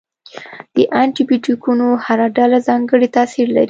د انټي بیوټیکونو هره ډله ځانګړی تاثیر لري.